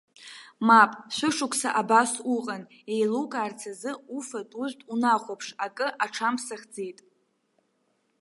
Мап, шәышықәса абас уҟан. Еилукаарц азы уфатә-ужәтә унахәаԥш, акы аҽамԥсахӡеит.